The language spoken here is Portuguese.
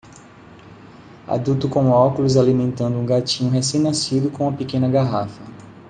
Adulto com óculos alimentando um gatinho recém-nascido com uma pequena garrafa